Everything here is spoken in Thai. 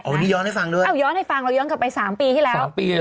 วันนี้ย้อนให้ฟังด้วยเอาย้อนให้ฟังเราย้อนกลับไปสามปีที่แล้วสามปีอ่ะ